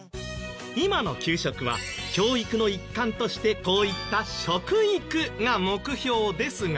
今の給食は教育の一環としてこういった食育が目標ですが。